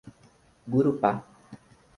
Gurupá